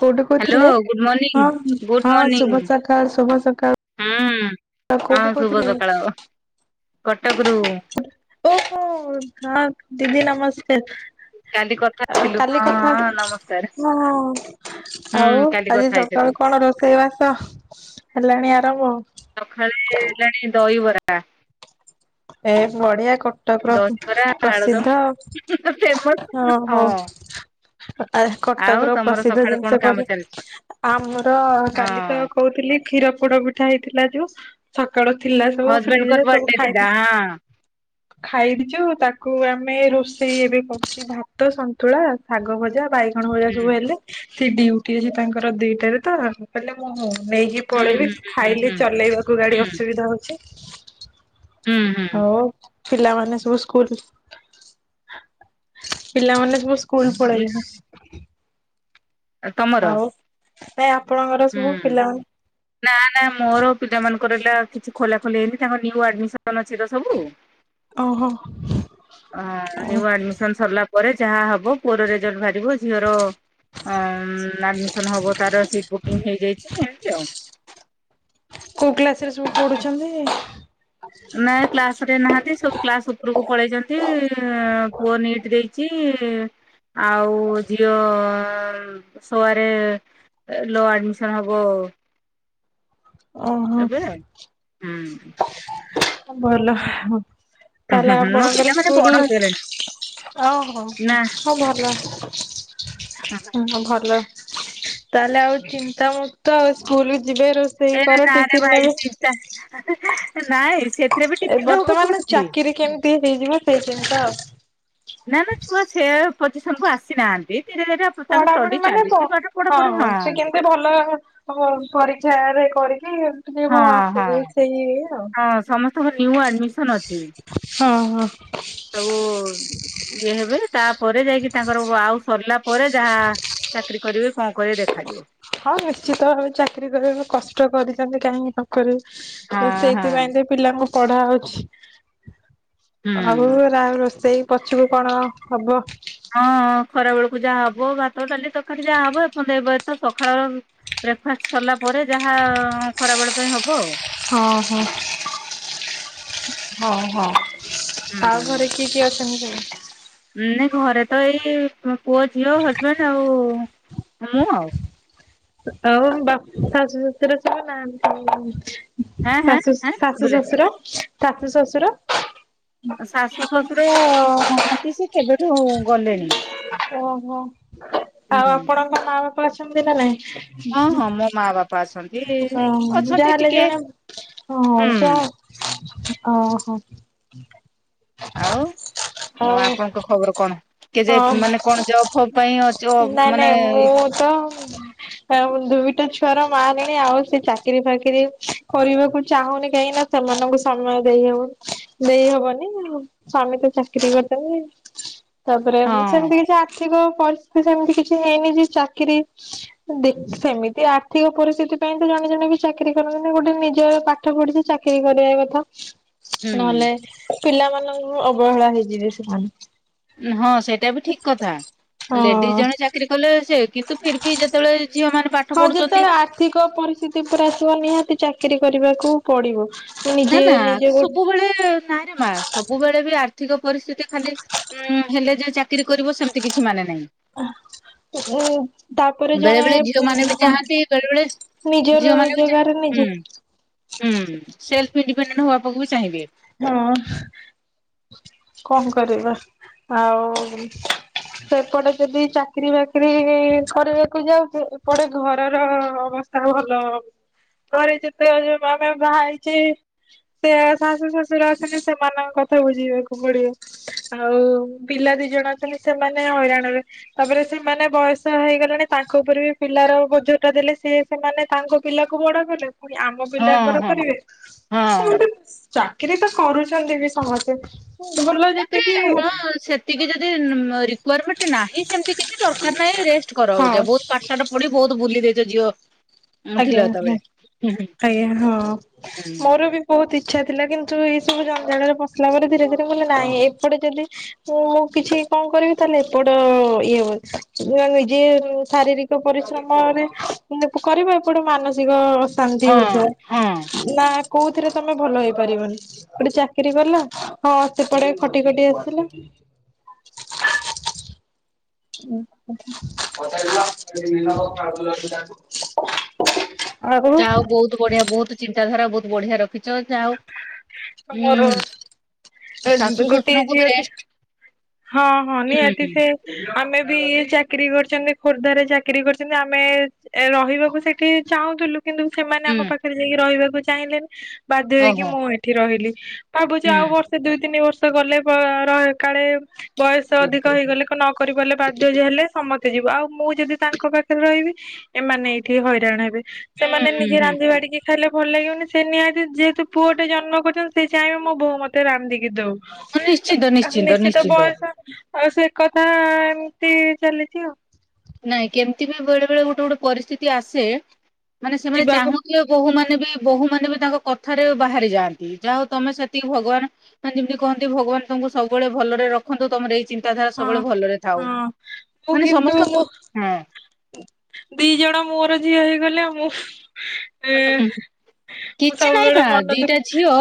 କୋଉଠୁ ହ୍ୟାଲୋ କୋଉଥିଲେ good morning ହଁ ଗୁଡ୍ ହଁ ମର୍ଣ୍ଣିଂ ଶୁଭ ସକାଳ୍ ଶୁଭ ସକାଳ୍ ହୁଁ ହଁ ଶୁଭ ସକାଳ କଟକ ରୁ ଓହୋ ହଁ ଦିଦି ନମସ୍କାର୍। କାଲି କଥା ଆଉ ହେଇଥିଲୁ କାଲି ହଁ କଥା ହଁ ନମସ୍କାର ହଁ ହୁଁ ଆଉ କାଲି ଆଜି କଥା ହେଇଥିଲୁ। ସକାଳୁ କଣ ରୋ ରୋଷେଇବାସ ହେଲାଣି ଆରମ ସଖାଳେ ହେଲାଣି ଦଇ ବରା। ଏ ବଢିଆ କଟକର ଦହିବରା ଆଳୁଦମ୍ ପ୍ରସିଦ୍ଧ ଫେମସ ହଁ ହଉ। ଆ ଆଉ କଟକର ତମର ପ୍ରସିଦ୍ଧ ସକାଳେ କଣ ଜିନିଷ କାମ କରେ ଚାଲିଛି ଆମର କାଲିତ ହଁ କୋଉ କାଲି କ୍ଷୀର ପୋଡ ପିଠା ହେଇଥିଲା ଯୋଉ ସକାଳୁ ଥିଲାସବୁ ହଜବେଣ୍ଡଙ୍କର ଫ୍ରିଜରେ ସବୁ ବର୍ଥଡେ ଥିଲା ଖାଇଦେଇଛି। ହଁ। ଖାଇଦେଇଛୁ ତାକୁ ଆମେ ରୋଷେଇ ଏବେ କରୁଛୁ ଭାତ ସନ୍ତୁଳା ଶାଗ ଭଜା ବାଇଗଣ ବାଇଗଣ ଭଜା ସବୁ ହେଲେ ସେ ଡିଉଟି ଅଛି ତାଙ୍କର ଦିଟାରେତ କହିଲେ ମୁଁ ନେଇକି ହୁଁ ହୁଁ ପଳେଇବେ ହୁଁ ଖାଇଲେ ହୁଁ ଚଲେଇବାକୁ ଗାଡି ହୁଁ ଅସୁବିଧା ହଉଛି ହୁଁ ହୁଁ ହଉ ପିଲାମାନେ ସବୁ ସ୍କୁଲ ପିଲାମାନେ ସବୁସ୍କୁଲ ସ୍କୁଲ ହୁଁ ପଳେଇଲେଣି ତମର ନାଇ ଆପଣଙ୍କର ସବୁ ହୁଁ। ପିଲାମାନେ ନା ନା ମୋର ପିଲାମାନଙ୍କର ହେଲା କିଛି ଖୋଲା ଖୋଲି ହେଇନି ତାଙ୍କ ନିଉ ଆଡମିସନ ଅଛିତ ସବୁ। ଓହୋ ଆ ନିଉ ଆଡମିସନ ସରିଲା ପରେ ଯାହାହବ ପୁଅର ରେଜଲଟ ବାହାରିବ ଝିଅର ଆଡମିସନ ହବ ତାର ସିଟ ବୁକିଂ ହେଇଯାଇଛି। ଆଉ କୋଉ କ୍ଲାସରେ ସବୁ ପଢ଼ୁଛନ୍ତି? ନାଇଁ କ୍ଲାସରେ ନାହାନ୍ତି ସବୁ କ୍ଲାସ ଉପରକୁ ପଳେଇଛନ୍ତି ପୁଅ ନିଟ ଦେଇଛି ଆଉ ଝିଅ ଶୋଆରେ ଲ ଆଡମିସନ ହବ। ଓହୋ ଏବେ ହୁଁ ଭଲ। ହୁଁ ତାହେଲେ ହୁଁ ମୋ ଆପଣଙ୍କର ପିଲାମାନେ ବଡ ସ୍କୁଲ। ହେଇଗଲେଣି ଓହୋ ହ ନା ହଁ ଭଲ ହ ଭଲ ତାହେଲେ ଆଉ ଚିନ୍ତାମୁକ୍ତ ଆଉ ସ୍କୁଲ ଯିବେ ରୋଷେଇ କର ଏଇଟା ନାଁରେ ଟିଫିନ ଭାଇ ନେବେ ଚିନ୍ତା ନାଇଁ ସେ ଏ ବର୍ତ୍ତମାନ ଚାକିରି କେମିତି ହେଇଯିବ ସେଇ ଚିନ୍ତା ଆଉ ନା ନା ଛୁଆ ସେ ପୋଜିଶନକୁ ଆସିନାହାନ୍ତି ଧିରେଧିରେ ପଢାପଢି ମାନେ ହଁ ହଁ ସେ କେମତି ଭଲ ପରୀକ୍ଷାରେ କରିକି ଏମତି ହଁ ଆସ ହଁ ସେଇ ଇଏ ଆଉ। ହଁ ସମସ୍ତେ ଓହୋ ନ୍ୟୁ ଆଡ୍ମିସନ୍ ଅଛି। ହଁ-ହଁ। ସବୁ ଇଏ ହେବେ, ତାପରେ ଯାଇକି ତାଙ୍କର ଆଉ ସରିଲା ପରେ ଯାହା ଚାକିରି କରିବେ କି କଣ କରିବେ ଦେଖାଯିବ। ହଁ ନିଶ୍ଚିତ ଚାକିରି କରିବାକୁ କଷ୍ଟ କରିଚନ୍ତି କାହିଁକି କରିବ ହଁ ହଁ। ସେଇଥିପାଇଁ ତ ପିଲାଙ୍କୁ ପଢା ହଉଛି। ଆଉ ହୁଁ। ରୋଷେଇ ପଛକୁ କଣ ହବ? ହଁ ଖରା ବେଳୁକୁ ଯାହା ହବ ଭାତ, ଡାଲି, ତକାରି ଯାହା ହବ [unintelligible] ଏବେ ତ ସଖାଳର ବ୍ରେକଫାଷ୍ଟ ସରିଲା ପରେ ଯାହା ଖରାବେଳ ପାଇଁ ହବ ଆଉ। ହଁ-ହଁ-ହଁ-ହଁ। ଆଉ ହୁଁ। ଘରେ କିଏ କିଏ ଅଛନ୍ତି? ନାଇଁ ଘରେ ତ ଏଇ ପୁଅ ଝିଅ ହଜବେଣ୍ଡ ଆଉ ମୁଁ ଆଉ। ଆଉ ବାପ ଶାଶୁ ଶଶୁର ସବୁ ନାହାନ୍ତି? ହାଁ ହାଁ ହାଁ ଶାଶୁ-ଶାଶୁ ଶୁଭିଲା ଶଶୁର ଶାଶୁ ଶଶୁର ଶାଶୁ ଶଶୁର ନାହାନ୍ତି ସେ କେବେଠୁ ଗଲେଣି। ଓହୋ ହୁଁ ଆଉ ଆପଣଙ୍କ ମା ବାପା ଅଛନ୍ତି ନା ହଁ ହଁ ମୋ ମା ବାପା ଅଛନ୍ତି ନାଇଁ? ଅଛନ୍ତି ଯାହେଲେ ଟିକେ ଜଣେ ହଁ ହୁଁ ଯା ଓହୋ। ଆଉ ଆଉ ଆପଣଙ୍କ ଖବର କଣ କେଯାଏ ହଁ ମାନେ କଣ ଜବ୍ ଫବ୍ ପାଇଁ ଅଜଵ୍ ମାନେ [unintelligible] ଆ ଦୁଇଟା ଛୁଆର ମା ହେଲାଣି, ଆଉ ସେ ଚାକିରି ଫାକିରି କରିବାକୁ ଚାହୁଁନି, କାହିଁକିନା ସେମାନଙ୍କୁ ସମୟ ଦେଇ ହବନି ଦେଇ ହବନି। ସ୍ଵାମୀ ତ ଚାକିରି କରିଚନ୍ତି, ତାପରେ ହଁ ସେମ୍ତି କିଛି ଆର୍ଥିକ ପରିସ୍ [unintelligible] ସେମ୍ତି କିଛି ହେଇନି ଯେ ଚାକିରି ଦେଖ ସେମିତି ଆର୍ଥିକ ପରିସ୍ଥିତି ପାଇଁ ତ ଜଣେ-ଜଣେ ବି ଚାକିରି କରନ୍ତି ନା ଗୋଟେ ନିଜ ପା ପାଠ ପଢିଛ, ଚାକିରି କରିବା କଥା। ହ [inaudible] ନହେଲେ ପିଲାମାନଙ୍କୁ ଅବହେଳା ହେଇଯିବେ ସେମାନେ। ହଁ ସେଇଟା ବି ଠିକ୍ କଥା, ଲେଡିଜ୍ ହଁ। ଜଣେ ଚାକିରି କଲେ ସେ କିନ୍ତୁ ଫିରଭି ଯେତେବେଳେ ଝିଅମାନେ ପା ହଁ ଯେତେବେଳେ ଆର୍ଥିକ ପରିସ୍ଥିତି ପୁରା ଆସିବ ନିହାତି ଚାକିରୀ କରିବାକୁ ପଡିବ। ନିଜେ ନା-ନା ନିଜେ ଗୋ ସବୁବେଳେ ନାଇଁରେ ମା, ସବୁବେଳେ ବି ଆର୍ଥିକ ପରିସ୍ଥିତି ଖାଲି ହୁଁ ହେଲେ ଯେ ଚାକିରି କରିବ ସେମ୍ତି କିଛି ମାନେ ନାହିଁ। [inaudible] ତାପରେ ବେଳେ ଜଣେ ବେଳେ ଝିଅ ମାନେ ବି ଚାହାନ୍ତି ବେଳେ ବେଳେ ନିଜ ଝିଅ ମାନେ ବି ଚାହା ରୋଜଗାର ହୁଁ ନିଜେ ହୁଁ ସେଲ୍ଫ୍ ଇଣ୍ଡିପେଣ୍ଡେଣ୍ଟ [unintelligible] ବି ଚାହିଁବେ। ହଁ କଣ କରିବା, ଆଉ ସେପଟେ ଯଦି ଚାକିରି ବାକିରି କରିବାକୁ ଯାଉଛେ, ଏପଟେ ଘରର ଅବ ତା ଭଲ ଘରେ ଯେତେବେଳେ ଆମେ ବାହା ହେଇଚେ, ସେ ଶାଶୁ ଶ ଶୁର ଅଛନ୍ତି, ସେମାନଙ୍କ କଥା ବୁଝିବାକୁ ପଡିବ। ଆଉ ପିଲା ଦି ଜଣ ଅଛନ୍ତି, ସେମାନେ ହଇରାଣ ହେବେ। ତାପରେ ସେମାନେ ବୟସ ହେଇଗଲେଣି, ତାଙ୍କ ଉପରେ ବି ପିଲାର ବୋଝ ଟା ଦେଲେ ସେ ସେମାନେ ତାଙ୍କ ପିଲାକୁ ବଡ କଲେ ପୁଣି ଆମ ହଁ ପିଲାଙ୍କର ହଁ କରିବେ, ହଁ। ସମସ୍ତେ ଚା କିରି ତ କରୁଛନ୍ତି ବି ସମସ୍ତେ। ଭଲ ତାପରେ ଯେତିକି ହଁ ସେତିକି ଯଦି ରିକ୍ବାରମେଣ୍ଟ ନାହିଁ, ସେମ୍ତି କିଛି ଦର୍ କାର୍ ନାହିଁ, ରେଷ୍ଟ କର ହଁ ଅବିକା ବହୁତ ପାଠଶାଠ ପଢି ବହୁତ ବୁଲି ଦେଇଚ ଝିଅ ଥିଲ ଆଜ୍ଞା, ହେତେବେଳେ ହୁଁ ହୁଁ ଆଜ୍ଞା ହଁ ହୁଁ ମୋର ବି ବହୁତ୍ ଇଛା ଥିଲା, କିନ୍ତୁ ଏଇ ସବୁ ଜଞ୍ଜାଳରେ ପଶିଲା ପରେ ଧୀରେ-ଧୀରେ ବୋଲେ ନାହିଁ ଏପଟେ ଯଦି ମୁଁ ଆଉ କିଛି କଣ କରିବି, ତାହେଲେ ଏପଟ ଇଏ ହବ ନିଜେ ଶାରୀରିକ ପରିଶ୍ରମରେ କରିବ, ଏପଟେ ମାନସିକ ଅଶାନ୍ତି ହଁ ହଉଥବ। ହଁ। ନା, କୋଉଥିରେ ତମେ ଭଲ ହେଇପାରିବନି। ଗୋଟେ ଚାକିରି କଲା ହଁ ସେପଟେ ଖଟି ଖଟି ଆସିଲା [inaudible] ଯା ହଉ ବହୁତ ବଢିଆ, ବହୁତ ଚିନ୍ତାଧାରା ବହୁତ ବଢିଆ ରଖିଚ ଯାହା ହଉ ହୁଁ, ମୋର ଶାଶୁ ଗୋଟେ ଶଶୁରଙ୍କୁ ଝିଅ ବି ଥିଲା ରେଷ୍ଟ ହଁ ହଁ ହୁଁ ନିହାତି ହୁଁ ସେ ଆମେ ବି ଚାକିରୀ କରିଚନ୍ତି, ଖୋର୍ଦ୍ଧରେ ଚାକିରୀ କରିଚନ୍ତି ଆମେ ଏ ରହିବାକୁ ସେଠି ଚାହୁଁଥିଲୁ କିନ୍ତୁ ସେମାନେ ଆମ ହୁଁ ପାଖରେ ଯାଇ ରହିବାକୁ ଚାହିଁଲେନି, ବାଧ୍ୟ ହେଇକି ଓହୋ ମୁଁ ଏଠି ରହିଲି। ଭାବୁଚି ହୁଁ ଆଉ ବର୍ଷେ, ଦୁଇ, ତିନି ବର୍ଷ ଗଲେ ର କାଳେ ବୟସ ଅଧିକ ହୁଁ ହେଇଗଲେ ନ କ କରିପାରଲେ ବାଧ୍ୟ ଯେ ହେଲେ ସମସ୍ତେ ଯିବୁ। ଆଉ ମୁଁ ଯଦି ତାଙ୍କ ପାଖରେ ରହିବି ଏମାନେ ଏଇଠି ହଇରାଣ ହେବେ, ସେମାନେ ହୁଁ ନିଜେ ହୁଁ। ରାନ୍ଧିବା ବାଢିକି ଖାଇଲେ ଭଲ ଲାଗିବନି, ସେ ନିହାତି ଯେହେତୁ ପୁଅ ଟେ ଜନ୍ମ କରିଚନ୍ତି ସେ ଚାହିଁବେ ମୋ ବୋହୁ ମତେ ରାନ୍ଧିକି ଦଉ। ନିଶ୍ଚିନ୍ତ କ ନିଶ୍ଚିନ୍ତ ନିଶ୍ଚିତ ନିଶ୍ଚିନ୍ତ ବୟସ ଆଉ ସେ ଏକଥା ଏମିତି ଚାଲିଚି ଆଉ। ନାଇଁ କେମିତି ବି ବେଳେ ବେଳେ ଗୋଟେ ଗୋଟେ ପରିସ୍ଥିତି ଆସେ ମାନେ ସେମାନେ ଯିବାକୁ ଚାହୁଁଥିବେ ବୋହୂ ମାନେ ବି ବୋହୂମାନେ ବି ତାଙ୍କ କଥାରେ ବାହାରି ଯାଆନ୍ତି, ଯାହା ହଉ ତମେ ସେତିକି ଭଗବାନ ମାନେ ଯେମିତି କହନ୍ତି ଭଗବାନ ତମକୁ ସବୁବେଳେ ଭଲରେ ରଖନ୍ତୁ, ତମର ଏଇ ଚିନ୍ତା ଧାରା ହଁ ସବୁବେଳେ ଭଲରେ ଥାଉ। ହଁ ମୁଁ ମାନେ କିନ୍ତୁ ସମସ୍ତଙ୍କ ମୁଁ ହଁ ଦି ଜଣ ମୋର ଝିଅ ହେଇଗଲେ ଆ ମୁଁ ଏ ମୁଁ କିଛି ନାହିଁ ସବୁବେଳେ ମା ମନ ଦିଟା ଦୁଃଖ ଝିଅ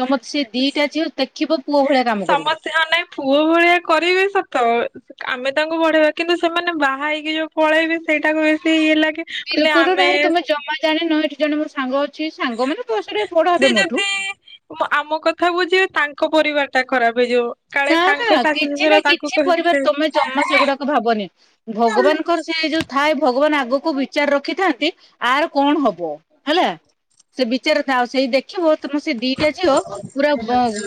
ତମର ସେ ଦିଟା ଝିଅ ଦେଖିବ ପୁଅ ଭଳିଆ କାମ କରିବେ। ସମସ୍ତେ ହଁ ନାଇଁ ପୁଅ ଭଳିଆ କରିବି ସତ ଆମେ ତାଙ୍କୁ ବଢେଇବା କିନ୍ତୁ ସେମାନେ ବାହା ହେଇକି ଯୋଉ ପଳେଇବେ ସେଇଟାକୁ ବେଶୀ ଇଏ ଲାଗେ। କହିଲେ ବିଲକୁଲ ଆମେ ନାହିଁ ତୁମେ ଜମା ଜାଣିନ ଏଇଠି ଜଣେ ମୋର ସାଙ୍ଗ ଅଛି ସାଙ୍ଗ ମାନେ ବୟସରେ ବଡ଼ ହେବେ ମୋଠୁ ମୁଁ ଆମ କଥା ବୁଝିବେ ତାଙ୍କ ପରିବାର ଟା ଖରାପ ହେଇଯିବ। କାଳେ ନା ନା ତାଙ୍କ ଶାଶୁ କିଛି ନା ଶ୍ୱଶୁର ତାଙ୍କୁ କିଛି ପରିବାର କହିବେ ତମେ ଜମା ସେଗୁଡାକ ଭାବନି। ଭଗବାନଙ୍କର ସେ ଯୋଉ ଥାଏ ଭଗବାନ ଆଗକୁ ବିଚାର ରଖିଥାନ୍ତି। ଆର୍ କଣ ହବ? ହେଲା ସେ ବିଚାର ଥାଉ ସେଇ ଦେଖି ଖିବ ତମ ସେ ଦିଟା ଝିଅ ପୁରା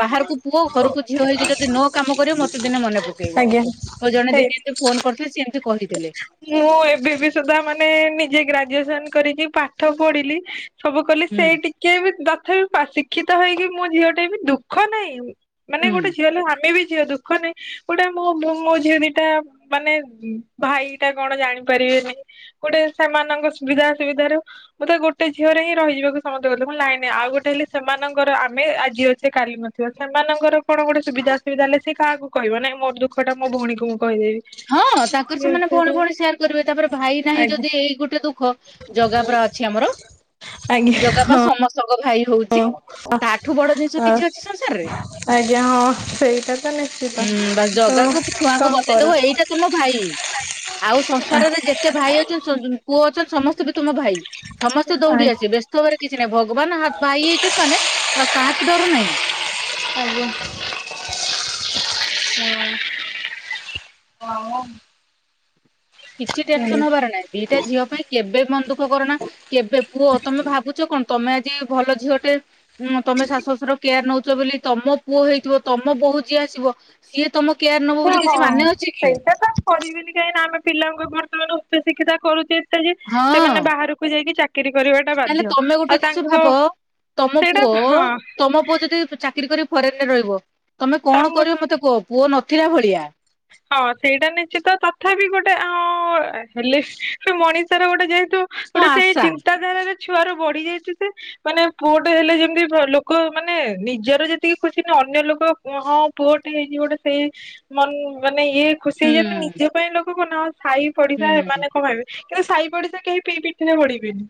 ବାହାରକୁ ପୁଅ ଘରକୁ ଝିଅ ହେଇକି ଯ ଦି ନ କାମ କରିବି ମୋତେ ଦିନେ ମନେ ପକେଇବ। ଆଜ୍ଞା ମୋ ଜଣେ ସେଇ ଦିଦି ଏମିତି ଫୋନ କରିଥିଲେ ସେ ଏମିତି କହିଥିଲେ। ମୁଁ ଏବେ ବି ସୁଧା ମାନେ ନିଜେ ଗ୍ରାଜୁଏସନ କରିକି ପାଠ ପଢିଲି ସବୁ କଲି ହୁଁ ସେଇ ଟିକେ ବି ତଥାପି ପା ଶିକ୍ଷିତ ହେଇକି ମୁଁ ଝିଅ ଟେ ବି ଦୁଃଖ ନାହିଁ। ମାନେ ହୁଁ। ଗୋଟେ ଝିଅ ହେଲେ ଆମେ ବି ଝିଅ ଦୁଃଖ ନାଇଁ। ଗୋଟେ ମୋ ମୋ ଝିଅ ଦିଟା ମାନେ ଭାଇ ଟା କଣ ଜାଣିପାରିବେନି। ଗୋଟେ ସାମାନଙ୍କ ସୁବିଧା ଅସୁବିଧ ରୁ ମତେ ଗୋଟେ ଝିଅରେ ହିଁ ରହିଯିବାକୁ ସମସ୍ତେ କହୁଥିଲେ ମୁଁ କଇଲି ନାଇଁ ନାଇଁ ଆଉ ଗୋଟେ ହେଲେ ସେମାନଙ୍କର ଆମେ ଆଜି ଅଛେ କାଲି ନ ଥିବା ସେମାନଙ୍କ କଣ ଗୋଟେ ସୁବିଧା ଅସୁବିଧା ହେଲେ ସେ କାହାକୁ କହିବ ନାଇ ମୋ ଦୁଃଖ ଟା ମୋ ଭଉଣିକୁ ମୁଁ କହିଦେବି। ହଁ ତାଙ୍କର ସେମାନେ ଭଉଣୀ ଭଉଣୀ ସେୟାର କରିବେ। ତାପରେ ଭାଇ ନାହିଁ ଆଜ୍ଞା ଯଦି ଏଇ ଗୋଟେ ଦୁଃଖ ଜାଗା ପରା ଅଛି ଆମର। ଆଜ୍ଞା ଜଗା ପା ହଁ। ସମସ୍ତଙ୍କ ଭାଇ ହଉଛି ତାଠୁ ବଡ ଜିନିଷ ହଁ କିଛି ଅଛି ସଂସାରରେ। ଆଜ୍ଞା ହଁ ସେଇଟା ତ ନିଶ୍ଚିତ ହୁଁ ବାସ୍ ତ ଜଗାକୁ ଛୁଆଙ୍କୁ କଣ ବତେଇଦବ କର ଏଇଟା ତୁମ ଭାଇ ଆଉ ସଂସାରରେ ଯେତେ ଭାଇ ଅଛନ୍ତି [unintelligible] ପୁଅ ଅଛନ୍ତି ସମ ସ୍ତେ ବି ତୁମ ଭାଇ। ସମସ୍ତେ ଦୌଡି ଆଜ୍ଞା ହଁ। ଆସିବେ ବ୍ୟସ୍ତ ଭବରେ କିଛି ନାହିଁ ଭଗବାନ ଭାଇ ହେଇଚନ୍ତି ମାନେ କାହାକି ଡର ନାହିଁ। ଆଜ୍ଞା। କିଛି ଟେନସନ ହବାର ନାହିଁ ଦିଟା ଝିଅ ପାଇଁ କେବେ ମନ ଦୁଖ କର ନା କେବେ ପୁଅ ତମେ ଭାବୁଚ କଣ ତମେ ଆଜି ଭଲ ଝିଅଟେ ଉଁ ତମେ ଶାଶୁ ଶଶୁର କେୟାର ନଉଚ ବେଲି ତମ ପୁଅ ହେଇଥିବ ତମ ବୋହୂ ଯିଏ ଆସିବ ସିଏ ତମ କେୟାର୍ ନବ ବୋଲି କିଛି ମାନେ ଅଛି କି। ସେଇଟା ତ କରିବେନି କାହିଁକି ନା ଆମେ ପିଲାଙ୍କୁ ବର୍ତ୍ତମାନ ଉଚ୍ଚଶିକ୍ଷିତା କରୁଚେ ଏତେ ଯେ ସେମାନେ ହଁ। ବାହାରୁକୁ ଯାଇକି ଚା କିରି କରିବାଟା ତାହେଲେ ବାଧ୍ୟ ତମେ ଗୋଟେ ଆଉ ଜିନିଷ ତାଙ୍କ ଭାବ ତମ ସେଇଟା ପୁଅ ହଁ। ତମ ପୁଅ ଯଦି ଚାକିରି କରିକି ଫରେନରେ ରହିବ ତମେ କଣ ତାଙ୍କୁ କରିବ ମତେ କୁହ ପୁଅ ନଥିଲା ଭଳିଆ। ହଁ ସେଇଟା ନିଶ୍ଚିତ ତଥାପି ଗୋଟେ ଆ ଅଁ ହେଲେ ସେ ମଣିଷର ଗୋଟେ ଯେହେତୁ ହଁ ଗୋଟେ ସେଇ ଆଶା। ଚିନ୍ତାଧାରାରେ ଛୁଆରୁ ବଢି ଯାଇଚି ସେ। ମାନେ ପୁଅଟେ ହେଲେ ଯେମତି ଘ ଲୋକ ମାନେ ନିଜର ଯେତିକି ଖୁସି ନୁହଁ ଅନ୍ୟ ଲୋକ ହଁ ପୁଅଟେ ହେଇଛି ଗୋଟେ ସେଇ ମନ୍ ମାନେ ଇଏ ଖୁସି ହୁଁ ହେଇଯାଆନ୍ତି ନିଜ ପାଇଁ ଲୋକୁକୁ ନ ସାଇ ପଡିଶା ହୁଁ ଏମାନେ କଣ ହେବେ। କିନ୍ତୁ ସାଇ ପଡିଶା କେହି ପି ପିଠରେ ପଡିବେନି।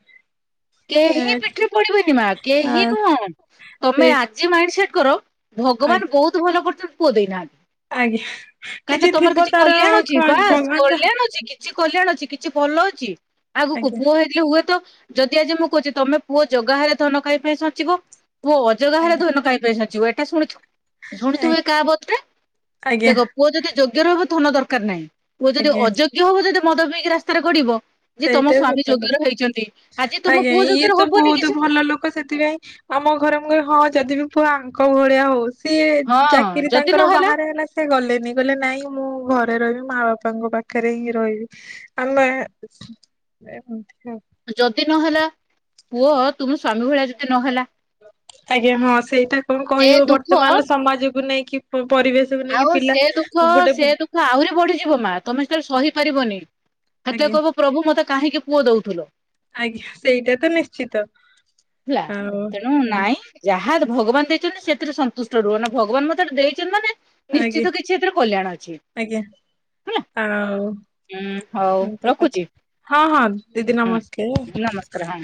କେହି ପିଠିରେ ପଡିବେନି ମା କେହିି ନୁହଁ ତମେ ସେଇ ଆଜି ମାଇଣ୍ଡ୍ ସେଟ୍ କର ଭଗବାନ୍ ବୋହୁତ ଭଲ କରିଛନ୍ତି ପୁଅ ଦେଇନାହାନ୍ତି। ଆଜ୍ଞା କାହିଁ ନା ତମର ଥିବ କିଛି ତାର କଲ୍ୟାଣ ଅଛି ବାସ୍ ଭଗବାନ କଲ୍ୟାଣ ଅଛି କି ଛି କଲ୍ୟାଣ ଅଛି କିଛି ଭଲ ଅଛି ଆଗୁକୁ ଆଜ୍ଞା ପୁଅ ହେଇଥିଲେ ହୁଏତ ଯଦି ଆଜି ମୁଁ କହୁଛି ତମେ ପୁଅ ଯୋଗା ହେଲେ ଧନ କାହିଁ ପାଇଁ ସଞ୍ଚିବ ପୁଅ ଅ ଯୋଗା ହେଲେ ଆଜ୍ଞା ଧନ କାହିଁ ପାଇଁ ସିଞ୍ଚିବ ଏଟା ଶୁଣିଥି ଶୁଣିଥିବେ କାହାବତଟେ ଆଜ୍ଞା ଦେଖ ପୁଅ ଯଦି ଯୋଗ୍ୟର ହବ ଧନ ଦରକାର ନାହିଁ ପୁଅ ଯଦି ଆଜ୍ଞା ଅଯୋଗ୍ୟ ହବ ଯଦି ମଦ ପିଇକି ରାସ୍ତାରେ ଗଡିବ ଯେ ତମ ସେଇଟା ସ୍ଵାମୀ ସତ କଥା। ଯୋଗ୍ୟର ହେଇଚନ୍ତି ଆଜ୍ଞା ଇଏ ତ ବୋହୁତୁ ଭଲ ଲୋକ ସେଥିପାଇଁ ଆମ ଘର ମୁଁ କଇବେ ହଁ ଯଦି ବି ପୁଅ ଆଙ୍କ ଭଳିଆ ହଉ ସିଏ ହଁ ଚାକିରି ଯଦି ତାଙ୍କର ନହେଲା ବାହାରେ ହେଲା ସି ସେ ଗଲେନି କହିଲେ ନାଇଁ ମୁଁ ଘରେ ରହିବି ମା ବାପାଙ୍କ ପାଖରେ ହିଁ ରହିବି ଆମେ [inaudible] ଯଦି ନ ହେଲା ପୁଅ ତୁମ ସ୍ଵାମୀ ଭଳିଆ ଯଦି ନ ହେଲା? ଆଜ୍ଞା ହଁ ସେଇଟା କଣ ସେ କହିବ ଦୁଃଖ ବର୍ତ୍ତମାନ ସମାଜକୁ ନେଇକି ପ ପରିବେଶ୍ ଆଉ ସେ ଦୁଃଖ ସେ ଦୁଃଖ ଆହୁରି ବଢିଯିବ ମା ତମେ ସେତେବେଳେ ସହିପାରିବନି। ଆଜ୍ଞା। ପ୍ରଭୁ ମତେ କାହିଁକି ପୁଅ ଦଉଥୁଲ? ଆଜ୍ଞା ସେଇଟା ତ ନିଶ୍ଚିତ। ହେଲା ଆଉ ତେଣୁ ନାଇଁ ଏମିତି ଯାହା ଦ ଭଗବାନ୍ ଦେଇଛନ୍ତି ସେଥିରେ ସନ୍ତୁଷ୍ଟ ରୁହ ନା ଭଗବାନ୍ ମତେ ଏଟା ଦେଇଛନ୍ତି ମାନେ ଆଜ୍ଞା ନିଶ୍ଚିତ କିଛି ଏଥିରେ କଲ୍ୟାଣ ଅଛି। ଆଜ୍ଞା। ହେଲା ଆଉ ଉଁ ହଉ ଏମିତି କଥା ରଖୁଚି। ହଁ ହଁ ଦିଦି ନମସ୍କା ନମସ୍କାର ହଁ।